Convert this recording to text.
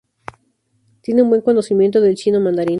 Tiene un buen conocimiento del chino mandarín.